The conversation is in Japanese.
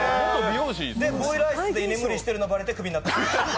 ボイラー室で居眠りしているのがばれてクビになった。